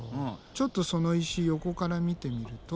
ちょっとその石横から見てみると。